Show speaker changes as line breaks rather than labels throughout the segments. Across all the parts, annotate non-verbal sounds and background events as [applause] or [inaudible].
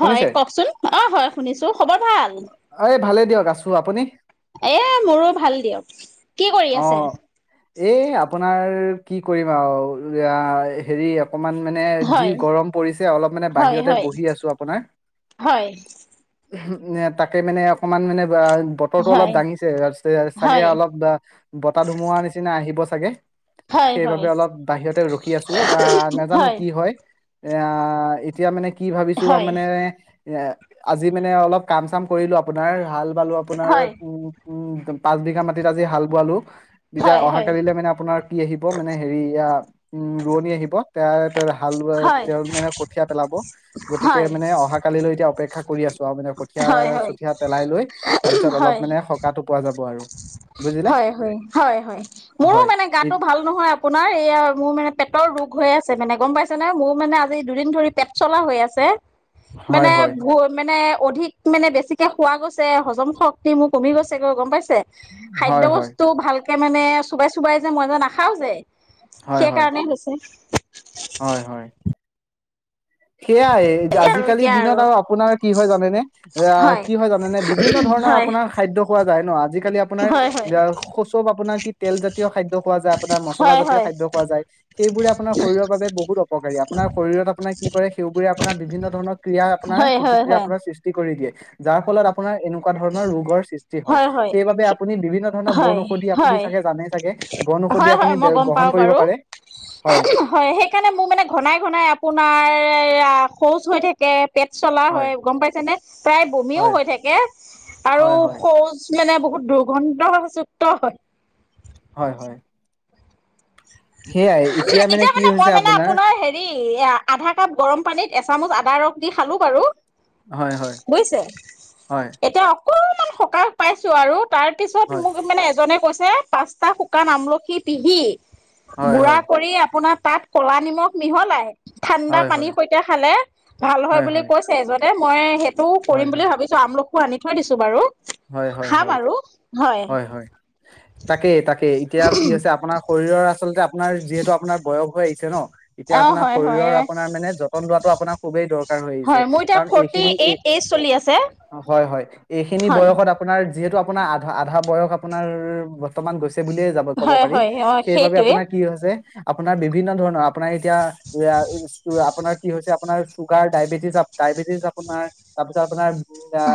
হয় কওকচোন অ' হয় শুনিছো। খবৰ ভাল
এই ভালে দিয়ক আছো আপুনি
এ মোৰো ভাল দিয়ক। কি কৰি আছে
অ' এই আপোনাৰ কি কৰিম আৰু হেৰি অকমান মানে যি
হয়
গৰম পৰিছে অলপ মানে
হয়
বাহিৰতে
হয়
বহি আছো আপোনাৰ।
হয়
তাকে মানে অকণমান মানে বতৰটো অলপ
হয়
দাঙিছে তাৰপিছ চাগে
হয়
অলপ বা বতাহ ধুমুহাৰ নিচিনা আহিব চাগে।
হয় হয়
সেইবাবে অলপ বাহিৰতে ৰখি আছো আহ নাজানো কি হয়। এ এতিয়া মানে কি ভাবিছো
হয়
আৰু
হয়
মানে এ আজি মানে অলপ কাম চাম কৰিলো আপোনাৰ ভাল পালো আপোনাৰ উম উম পাচ বিঘা মাটিত আজি হাল বালো [unintelligible] যেতিয়া
হয় হয়
অহা কালিলে মানে আপোনাৰ কি আহিব মানে হেৰিয়া উম ৰোৱনী আহিব তে হালোৱা
হয়
তেল মানে কঠিয়া পেলাব গতিকে মানে অহা কালিলৈ এতিয়া অপেক্ষা কৰি আছো। চ মানে কঠিয়া
হয় হয় হয়
চঠিয়া পেলাই লৈ তাৰ পিছত অলপ
হয়
মানে সকো পোৱা যাব আৰু। [unintelligible] বুজিলে
হয় হয় মোৰো
হয়
মানে গাতটো
ই-
ভাল নহয় আপোনাৰ এইয়া মোৰ মানে পেটৰ ৰোগ হৈ আছে মানে গম পাইছে ন মোৰ মানে আজি দুদিন ধৰি পেট চলা হৈ আছে
হয়
মানে
হয়
ভ মানে অধিক মানে বেছিকে খোৱা গৈছে হজম শক্তি মোৰ কমি গৈছে গৈ গম পাইছে! খাদ্্য
হয় হয়
বস্তু ভাল তাকে মানে চোবাই চবাই যে মই যে নাখাওঁ যে!
হয় হয়
সেইকাৰণেই হৈছে
হয় হয় সেয়াই
এই আৰু
আজিকালিৰ
এতিয়া
দিনত আৰু আপোনাৰ য
হয় হয়
ন আজি জ খালি
হয় হয়
আপোনাৰব আপোনাৰ কি তেলজাতীয় খাদ্য খোৱা যায় আপোনাৰ মচলা
হয়
জাতীয়
হয়
খাদ্য খোৱা যায় সেইবোৰে আপোনাৰ শৰীৰৰ বাবে বহুত উপকাৰী আপোনাৰ শৰীৰত আপোনাক কি কৰে সেইবোৰে আপাৰ বিভিন্ন ধৰণৰ ক্ৰিয়া আপোনাৰ
হয় হয়
প্ৰতিক্ৰিয়া
হয়
আপোনাৰ সৃষ্টি কৰি দিয়ে যাৰ ফলত আপোনাৰ এনেকুৱা তেনেকোৱা ধৰণ ৰোগৰ সৃষ্টি।
হয় হয়
সেইবাবে আপুনি বিভিন্ন ধৰণৰ বন ঔষধি আপুনি চাগে জানেই চাগে বন ঔষধি
হয়
আপুনি
হয় মই গম
গ্ৰহণ
পাওঁ
কৰিব
বাৰু
পাৰে
হয় সেইকাৰণে মোৰ মানে ঘনাই ঘনাই আপোনাৰ মাৰ শৌচ হৈ থাকে পেট চলা হয় গম পাইছে নে প্ৰায় বমিও
হয়
হৈ থাকে আৰু
হয় হয়
পৌজ মানে বহুত দুৰ্গন্ধ যুক্ত হয়।
হয় হয়।
এতিয়া মানে মই মানে আপোনাৰ হেৰি এ আধা কাপ গৰম পানীত এচামুচ দা ৰস দি খালো বাৰু!
হয় হয়
বুজিছে
হয়
এতিয়া অকমান সকাহ পাইছোঁ আৰু। তাৰ পিছত
হয়
মোক মানে এজনে কৈছ ছে পাঁচটা শুকান আমলখি পিহি
হয়
গুৰা
হয়
কৰি আপোনাৰ তাত ক'লা নিমখ মিহলাই ঠাণ্ডা
হয়
পানীৰ সৈতে খালে ভাল হয় বুলি কৈছে এজন মইয়ে সে তো
হয় হয়
কৰিম বুলি ভাবিছো আমল [unintelligible] আনি থৈ দিছো বাৰু।
হয় হয়
খাম
হয়,
আৰু
হয় হয়। তাকে তাকে এতিয়া কি হৈছে আপোনাৰ শৰীৰৰ আচলতে আপোনাৰ যিহেতু আপোনাৰ বয়স হৈ আহিছে ন এতিয়া
অ
আপোনাৰ
হয় হয়
শৰীৰৰ আপোনাৰ মানে যতন লোৱাটো আপোনাৰ খুবেই দৰ
হয় মোৰ এতিয়া ফৰ্তি এইট এজ চলি আছে।
হয় হয় এইখিনি
হয়
বয়স [unintelligible] আপোনাৰ আধা - আধা বয়স আপোনাৰ বৰ্তমান গৈছ ছে বুলিয়ে যাব - কব
হয়
পাৰি,
হয় অ
সেইবাবে
সেইটোৱে
আপোনাৰ কি হৈছে আপোনাৰ বিভিন্ন ধৰণৰ আপোনাৰ এতিয়া [unintelligible] আপোনাৰ কি হৈছে আপোনাৰ চুগাৰ ডায়বেটিছ - ডায়বেটিছ আপোনাৰ তাৰপিছত আপোনাৰ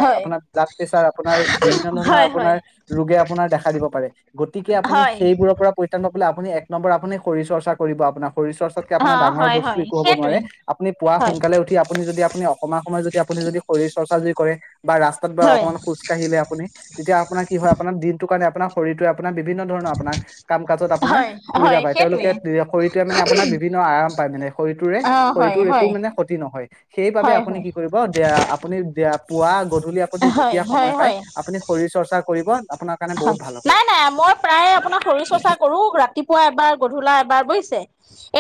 হয়
আপোনাৰ ব্লাড পেছাৰ আপোনাৰ বিভিন্ন ধৰণৰ
হয় হয়
আপোনাৰ ৰোগে আপোনাৰ দেখা দিব পাৰে গতিকে আপুনি
হয়
সেইবোৰৰ পৰা পৰিত্ৰাণ পাবলে আপুনি এক নম্বৰ আপুনি শৰীৰ চৰ্চা কৰিব আপোনা শৰীৰ চৰ্চাতকে
অ
আপোনাৰ ডাঙৰ
হয়
বস্তু
হয়
একো হ'ব নোৱাৰে,
সেইটোৱে
আপুনি পুৱা
হয়
সোনকালে উঠি আপুনি যদি আপনি অকমান সময় যদি তে আপুনি যদি শৰীৰ চৰ্চা যদি কৰে বা ৰাস্তাত বা
হয়
অকমান খোজ আপুনি তেতিয়া আপোনাৰ কি হয় আপোনাৰ দিনটোৰ কাৰণে আপোনাৰ শৰীৰ টোৱে আপ আপোনাৰ বিভিন্ন ধৰণৰ আপোনাৰ কাম কাজত আপোনাৰ
হয়
সুবিধা
হয়
পায়,
সেইটোৱে
তেওঁলোকে [unintelligible] শৰীৰটোৱে মানে আপোনাৰ বিভিন্ন আৰাম পায় মানে শৰীৰটোৰে
অ
-
হয়
শৰীৰটোৰ একো
হয়
মানে ক্ষতি নহয় সেইবাবে
হয়
আপুনি
হয়
কি কৰিব দে - আ আপুনি দে - আ পুৱা গধূলি আপুনি
হয়
যেতিয়া
হয়
সময় পাই
হয়
আপুনি শৰীৰ চৰ্চা কৰিব আপোনাৰ কাৰণে বহুত
হয়
ভাল হ'ব
নাই নাই মই প্ৰায় আপোনাৰ শৰীৰচৰ্চা কৰো ৰাতিপুৱা এবাৰ গধূলা এবাৰ বুইছে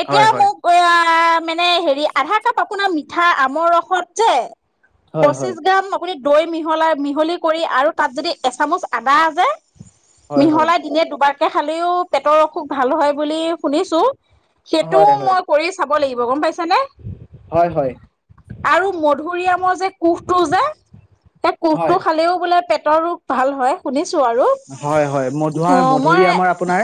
হয় হয়
মানে হেৰি আধা কাপ আপোনাৰ পিঠা আমৰ ৰসত যে
হয়
পচিছ
হয়
গ্ৰাম আপুনি দৈ মিহলাই মিহলি কৰি আৰু তাত যদি এচামুচ আদা যে
হয় হয়
মিহলাই দিনে দুবাৰ কে খালেও পেটৰ অসুখ ভাল হয় বুলি শুনিছো সেইটোও
হয়
মই কৰি চাব ক'ব লাগিব গম পাইছে নে
হয় হয়
আৰু মধুুৰিআমৰ যে কোহঁটো যে তে
হয় হয়
কোহঁটো খালেও বোলে পেট পেটৰ ৰোগ ভাল হয় শুনিছো আৰু
হয় হয়
অ
মধুাআৰ
মই
মধুৰিআমৰ আপোনাৰ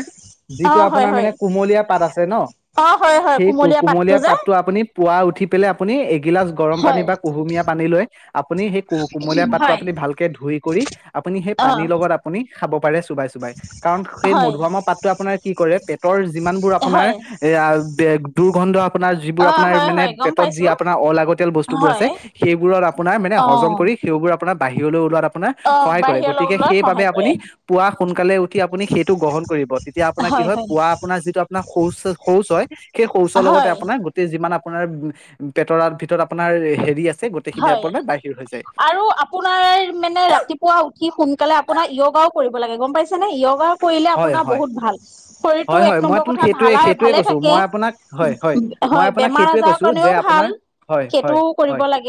অ
যিটো
হয়
আপোনাৰ
হয়
মানে কুমলীয়া পাত আছে ন
অ হয় হয়
সেই কুমলীয়া
যে
পাতটো আপুনি পুৱা উঠি পেলাই আপুনি গিলাচ গৰম পানী
হয়
বা কুহুমীয়া পানী লৈ আপুনি সেই কুমলীয়া পাতটো
হয়
আপুনি ভালকে ধুই কৰি আপুনি সেই
অ
পানীৰ লগত খাব পাৰে চুবাই চুবাই কাৰণ সেই
হয়
মধুআমৰ পাতটোৱে আপোনাৰ কি কৰে পেটৰ যিমানবোৰ আপোনাৰ
হয়
এ দুৰ্গন্ধ আপোনাৰ যিবোৰ
অ
আপোনাৰ
হয়
মানে
হয় গম
পেটত যি
পাইছো
আপোনাৰ অলাগতিয়াল বস্তুবোৰ আছে
হয়
সেইবোৰৰ আপোনাৰ মানে
অ
হজম কৰি সেইবোৰ আপোনাৰ বাহিৰলৈ ওলোৱাত আপোনাৰ
অ
সহায় কৰে
বাহিৰলৈ
গতিকে
ওলোৱাত
সেইবাবে
সহায় কৰে
আপুনি পুৱা সোনকালে উঠি আপুনি সেইটো গ্ৰহণ কৰিব তেতিয়া আপোনাৰ কি হয় পুৱা আপোনাৰ যিটো আপোনাৰ শৌচ শৌচ হয় সেই সৌচৰ লগতে
হয়
আপোনাৰ গোটেই যিমান আপোনাৰ উম পেটৰ ভিতৰত আপোনাৰ হেৰি আছে গোটেইখিনি
হয়
আপোনাৰ বাহিৰ হৈ যায়
আৰু আপোনাৰ মানে ৰাতিপুৱা উঠি সোনা কালে আপোনাৰ য়োগাও কৰিব লাগে গম পাইছে নে য়োগা কৰিলে
হয়
আপোনাৰ
হয়
বহুত ভাল শৰীৰটো
হয়
এক
হয় মই
নম্বৰ
তোক
কথা
সেইটোৱে
ভালা
সেইটোৱে
ভালে
কৈছো
থাকে
মই আপোনাক হয় হয় মই
হয়
আপোনাক
বেমাৰ
সেইটোৱে
আজাৰৰ
কৈছো যে
কাৰণেও ভাল
আপোনাৰ হয় হয়
সেইটোও কৰিব
হয়
লাগে।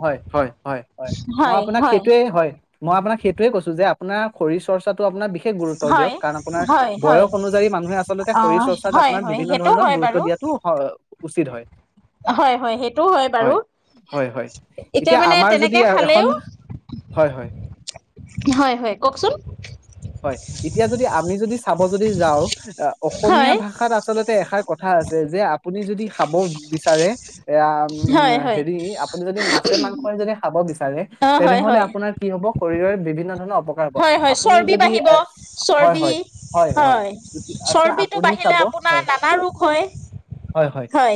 হয় হয় হয় হয় মই আপোনাক সেইটোৱে হয়। মই আপোনাক সেইট কৈছো যে আপোনাৰ শৰীৰ চৰ্চাতটো আপোনাৰ বিশে গুৰুত্ব
হয়
দিয়ক কাৰণ আপোনাৰ
হয় হয়
বয়স অনুযায়ী মানুহে আচলতে
অ
শৰীৰ চৰ্চাত
হয়
আপোনাৰ
হয়
বিভিন্ন
সেইটো
ধৰণৰ
হয়
গুৰুত্ব
বাৰু
দিয়াটো হয় উচিত হয়
হয় হয় সেইটো হয় বাৰু
হয় হয়
এতিয়া মানে
আমাৰ যদি
তেনেকে
এখন
খালেও
হয় হয়
হয় হয় কওকচোন।
হয় এতিয়া যদি আমি যদি চাব যদি যাওঁ অসমীয়া
হয়
ভাষাত আচলতে এষাৰ কথা আছে যে আপুনি যদি- খাব বিচাৰে- এয়া
হয় হয়
হেৰি আপুনি যদি মাছে মাংস যদি খাব বিচাৰে
অ হয়
তেনেহলে
হয়
আপোনাৰ কি হ'ব? শৰীৰৰে বিভিন্ন ধৰণৰ- উপকাৰ হব
হয় হয়
আপুনি
চৰ্বি বাঢ়িব
হয়
চৰ্বি
হয় হয় এতিয়া
চৰ্বিটো
আপোনাৰ
বাঢ়িলে আপোনাৰ নানা ৰোগ হয় হয়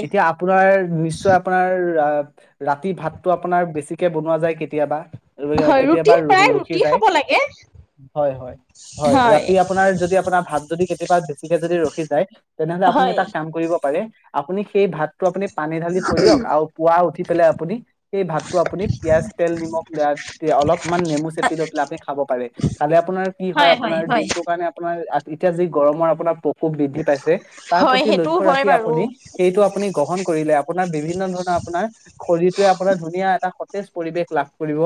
নিশ্চয় আপুনি চাব - ৰাতি ভাতটো আপোনাৰ বেছিকে বনোৱা যায় কেতিয়াবা-
হয়
কেতিয়াবা
ৰুটি প্ৰায়
ৰখি
ৰুটি
যায়
খাব লাগে।
হয় হয় হয় ৰাতি আপোনাৰ যদি আপোনাৰ ভাত- যদি কেতিয়াবা বেছিকে যদি ৰখি যায় তেনেহলে আপুনি
হয়
এটা কাম কৰিব পাৰে। আপুনি সেই ভাত- টো আপুনি পানী ঢালি থৈ দিয়ক আৰু পুৱা উঠি পেলাই আপুনি সেই ভাতটো আপুনি পিয়াজ তেল নিমখ অলপমান নেমু চেপি লৈ পেলাই আপুনি খাব পাৰে। আপোনাৰ কি হয় আপোনাৰ দমটোৰ কাৰণে আপোনাৰ এতিয়া যি গৰমৰ আপোনাৰ খুব বৃদ্ধি পাইছে তাৰ
হয়
প্ৰতি
সেইটো
লক্ষ্য়
হয়
ৰাখি
বাৰু
আপুনি সেইটো আপুনি গ্ৰহণ কৰিলে আপোনাৰ বিভিন্ন ধৰণৰ আপোনাৰ শৰীৰটোৱে আপোনাৰ ধুনীয়া এটা- জ পৰিৱেশ লাভ কৰিব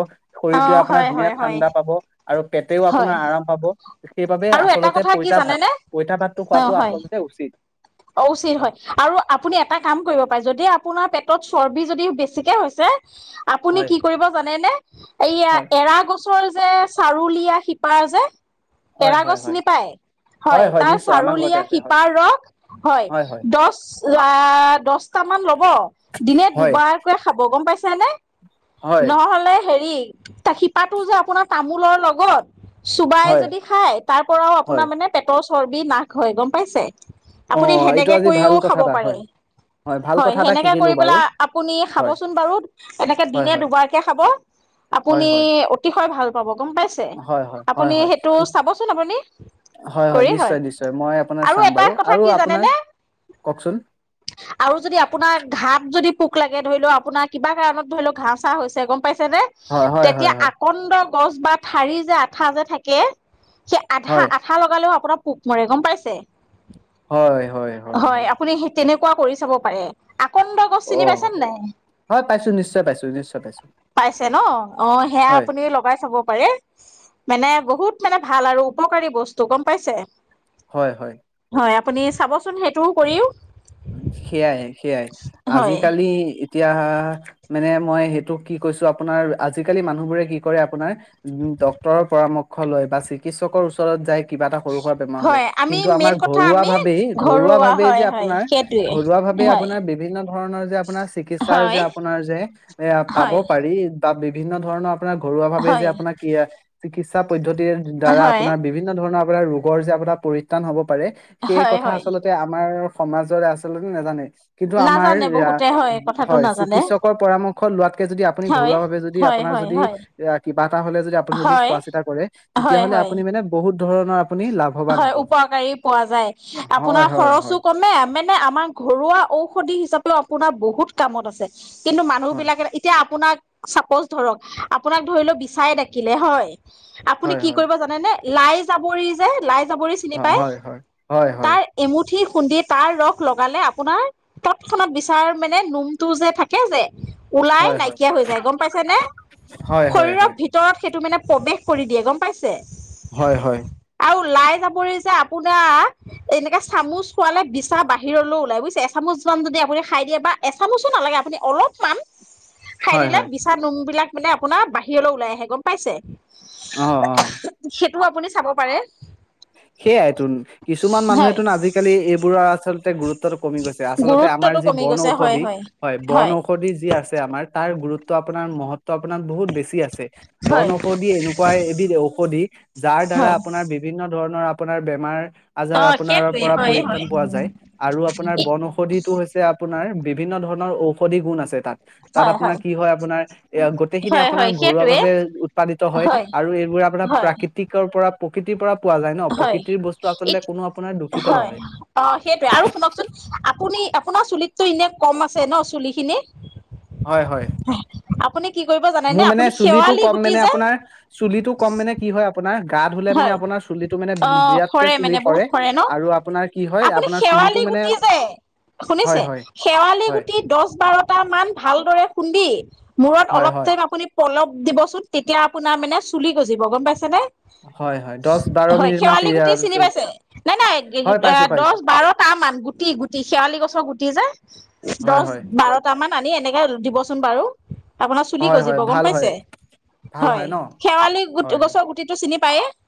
অ
শৰীৰটোৱে আপোনাৰ
হয়
ধুনীয়া
হয় হয়
ঠাণ্ডা পাব আৰু এতেও
হয়
আপোনাৰ আৰাম পাব সেইবাবে
আৰু এটা
আচল্ততে
কথা কি
পইতা ভাত
জানেনে
পইতা ভাতটো
অ
খোৱাাতটো
হয়
আচল্ততে উচিত
অ উচিত হয় আৰু আপুনি এটা কাম কৰিব পাৰে যদি আপোনাৰ পেটত চৰ্বি যদি বেছিকে হৈছে আপুনি
হয়
কি কৰিব জানে নে এইয়া
হয়
এৰা কছ চৰ যে চাৰুলীয়া শিপাৰ যে
হয়
কেৰা গছ
হয়
চিনি
হয়
পায়? হয়, তাৰ
নিশ্চয় আমাৰ ঘৰতে
চাৰুলীয়া
আছে হয়
শিপাৰ ৰস হয় দহ লা দহটা মান ল দিনে
হয়
দুবাৰকে খাব গম পাইছ চেনে
হয়
নহ'লে হেৰি ত শিপাটো যে আপোনাৰ তামোলৰ লগত চুবাই
হয়
যদি খায়, তাৰ পৰাও
হয়
আপোনাৰ মানে পেটৰ চৰ্বি নাশ হয়, গম পাইছে?
অ
আপুনি
এইটো
সেনেকে
আজি
কৰিও
ভাল
খাব
কথা এটা
পাৰে,
হয় ভাল
হয়
কথা এটা
সেনেকে
শিকিলো
কৰি
বাৰু
পেলাই আপুনি
হয়
খাবচোন বাৰু, এনেকে
হয়
দিনে
হয়
দুবাৰকে খাব,
হয়
আপুনি
হয়
অতিশয় ভাল পাব গম পাইছে?
হয় হয়
আপুনি
হয়
সেইটো
হয়
চাবচোন আপুনি কৰি হয়
নিশ্চয় নিশ্চয় মই আপোনাৰ
আৰু
চাম
এটা
বাৰু
কথা
আৰু আপোনাৰ কওকচোন
আৰু যদি আপোনাৰ ঘা যদি পোক লাগে, ধৰি লও আপোনাৰ কিবা কাৰণত ধৰি লওক ঘাঁ-চা হৈছে পাইছে নে?
হয় হয় হয়
তেতিয়া আ
হয়
গছ বা ঠাৰি যে আঠা যে থাকে সেই আধা
হয়
আঠা লগালেও আপোনাক কোক মৰে গম পাইছে
হয়, হয়, হয়, হয়।
কুৱা কৰি চাব পাৰে আকন্দ গছ
অ
চিনি পাইছেনে নাই?
হয় পাইছো নিশ্চয় পাইছো নিশ্চয় পাইছো
পাইছে ন, অ সেয়া
হয়
আপুনি লগাই চাব পাৰে। মানে বহুত মানে ভাল আৰু উপকাৰী বস্তু গম পাইছে?
হয়, হয়।
হয় আপুনি চাবচোন সেইটোও কৰিও।
সেইয়াই-সেইয়াই
হয়
আজিকালি এতিয়া মানে মই সেইটো কি কৈছো আপোনাৰ, আজিকালি মানুহবোৰে কি কৰে আপোনাৰ, উ ডক্তৰৰ পৰামৰ্শ লয় বা চিকিৎসকৰ ওচৰত যাই কিবা এটা সৰু-সুৰা বেমাৰ হলে,
হয় আমি
কিন্তু আমাৰ
মেইন কথা
ঘৰুৱা
আমি
ভাৱেই, ঘৰুৱা ভাৱেই
হয়
যে
হয়
আপোনাৰ
সেইটোৱে
ঘৰুৱা ভাৱে
হয়
আপোনাৰ বিভিন্ন ধৰণৰ যে আপোনাৰ চিকিৎসাৰ যে
হয়,
আপোনাৰ যে এ পাব
হয়,
পাৰি তাত বিভিন্ন ধৰণৰ আপোনাৰ ঘৰুৱাভাৱে যে
হয়,
আপোনাৰ কি চিকিৎসা পদ্ধতিৰ দ্বাৰা
হয়,
আপোনাৰ বিভিন্ন ধৰণৰ ৰোগৰ যে আপোনাৰ পৰিত্ৰাণ হ'ব পাৰে সেই
হয়,
কথা
হয়।
আচলতে আমাৰ সমাজ আছলে নেজানে কিন্তু আমাৰ
নাজানে বহুতে হয় কথাটো
হয়
নাজানে
চিকিৎসকৰ পৰামৰ্শ লোৱাতকে যদি আপুনি
হয়।
ঘৰুৱা ভাৱে যদি
হয়,
আপোনাৰ
হয়,
যদি
হয়,
কি হ'লে যদি আপুনি যদি
হয়,
চোৱা চিতা কৰে
হয়,
তেতিয়াহ'লে
হয়,
আপুনি মানে বহুত ধৰণৰ আপুনি লাভৱান
হয়,
হ'ব
উপকাৰী পোৱা যায়
হয়
আপোনাৰ
হয়
খৰচো
হয়
কমে মা মানে আমাৰ ঘৰুৱা ঔষধি হিচাপেও আপোনাৰ বহুত কামত আছে। কিন্তু
হয়
মানুহবলাকে এতিয়া আপোনাক চাপজ ধৰক আপোনাক ধৰি লওঁক বিছাই ডাকিলে হয়। আপুনি
হয়
কি
হয়
কৰিব জানে নে লাইছ পৰি যে লাইচ চাপৰি চিনি
হয়
পায়
হয় হয় হয়
তাৰ এমুঠি খুন্দি তাৰ ৰস লগালে আপোনাৰ তৎক্ষণাত বিচাৰ মানে নোমটো যে থাকে যে ওলাই
হয় হয়
নাইকিয়া হৈ যায় গম পাইছে নে,
হয় হয় হয়
শৰীৰৰ ভিতৰত সেইটো মানে প্ৰৱেশ কৰি দিয়ে গম পাইছে।
হয়, হয়।
আৰু ললাই যাবৰে যে আপোনাৰ এনেকে চামুচ খোৱালে বিছা বাহিৰলৈ ওলাই বুজিছে এচামুচমানান যদি আপুনি খাই দিয়ে বা এচামুচো নালাগে আপুনি অলপমান। খাই
হয়
দিলে
হয়
বিছাৰ নোম বিলাক মানে আপোনাৰ বাহিৰলৈ ওলাই আহে গম পাইছে।
অ', অ'।
টো আপুনি চাব পাৰে
সেইয়াই তন কিছুমান
হয়
মানুহেটো আজিকালি এইবোৰৰ আচলতে গুৰুত্বটো কমি গৈছে আচল্ততে আমাৰ
গুৰুত্বটো
যি
কমি
বন
গৈছে হয়
ঔষধি হয় বন ঔষধি যি আছে আমাৰ তাৰ গুৰুত্ব টো আপোনাৰ মহত্ব আপোনাৰ বহুত বেছি আছে। বন
হয়
ঔষধি এনেকুৱা এবিধ ঔষধি যাৰ দ্বাৰা
হয়
আপোনাৰ বিভিন্ন ধৰণৰ আপোনাৰ বেমাৰ
অ
আজাৰ আপোনাৰ
সেইটোৱে
পৰা
হয়
পৰিত্ৰাণ
হয়
পোৱা যায় আৰু আপোনাৰ বনৌষধিটো হৈছে আপোনাৰ বিভিন্ন ধৰণৰ ঔষধি গুণ আছে তাত। তাত আপোনাৰ কি হয় আপোনাৰ এ গোটেইখিনি
হয়
আপোনাৰ
হয়
ঘৰুৱা
সেইটোৱে
ভাৱে উৎপাদিত হয় আৰু এইবোৰ আপোনাৰ
হয়
প্ৰাকৃতিকৰ পৰা প্ৰকৃতিৰ পৰা পোৱা যায় ন
হয়,
প্ৰকৃতিৰ বস্তু আচলতে কোনো আপোনাৰ দূষিত
হয়,
নহয়
অ', সেইটোৱে আৰু শুনকচোন আপুনি আপোনাৰ চুলিত টো এনে কম আছে ন' চুলিখিনি
হয়, হয়
জানেনে
মোৰ মানে
আপুনি
চুলিটো
শেৱালি
কম
গুটি
মানে
যে
আপোনাৰ চুলিটো কম মানে কি হয় আপোনাৰ গা ধুলে মানে
হয়,
আপোনাৰ চুলিটো মানে
অ
বিৰাটকে
সৰে
চুলি
মানে বহুত সৰে ন
আৰু আপোনাৰ কি হয়
আপুনি
আপোনাৰ চুলিটো
শেৱালি
মানে
গুটি যে
হয়
শুনিছে,
হয়
শেৱালি
হয়
গুটি দহ বাৰ এটা মান ভালদৰে খুন্দি মূৰত
হয়
অলপ
হয়
টাইম আপুনি পলপ দিবচোন তেতিয়া আপোনাৰ মানে চুলি গজিব গম পাইছে নে?
দহ বাৰ
হয়,
মিনিট মান তি
শেৱালি গুটি চিনি পাইছে, নাই নাই এ
হয় পাইছো
দহ
পাইছো
বাৰটা মান গুটি গুটি শেৱালি গছৰ গুটি যে দহ
হয় হয়
বাৰটা মান মানি এনেকে দিবচোন বাৰু। আপোনাৰ চুলি
হয় হয়
গজিব গম
ভাল হয়
পাইছে,
ভাল
হয়
ন
শেৱালি গু
হয় হয়
গছৰ গুটিত চিনি পায়ে।